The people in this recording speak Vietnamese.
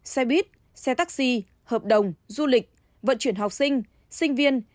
xe buýt xe taxi hợp đồng du lịch vận chuyển học sinh sinh viên